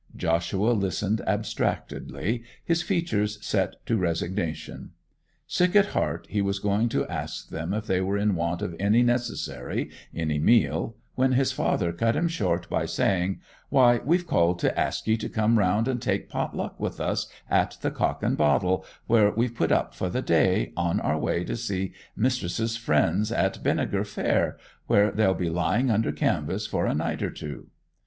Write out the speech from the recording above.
Joshua listened abstractedly, his features set to resignation. Sick at heart he was going to ask them if they were in want of any necessary, any meal, when his father cut him short by saying, 'Why, we've called to ask ye to come round and take pot luck with us at the Cock and Bottle, where we've put up for the day, on our way to see mis'ess's friends at Binegar Fair, where they'll be lying under canvas for a night or two.